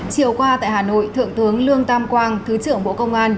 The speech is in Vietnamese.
chiều qua tại hà nội thượng tướng lương tam quang thứ trưởng bộ công an